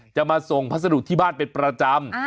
จะมาส่งพัสดุที่บ้านเป็นประจำ